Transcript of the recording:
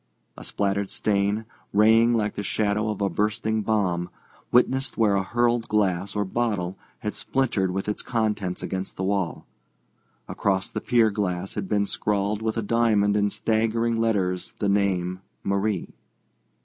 A splattered stain, raying like the shadow of a bursting bomb, witnessed where a hurled glass or bottle had splintered with its contents against the wall. Across the pier glass had been scrawled with a diamond in staggering letters the name "Marie."